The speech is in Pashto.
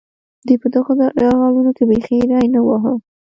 دوی په دغو یرغلونو کې بېخي ري نه واهه.